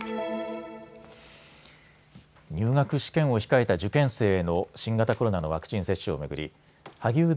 入学試験を控えた受験生への新型コロナのワクチン接種を巡り萩生田